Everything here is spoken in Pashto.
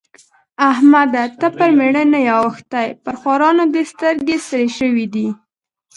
احمده! ته پر مېړه نه يې اوښتی؛ پر خوارانو دې سترګې سرې شوې دي.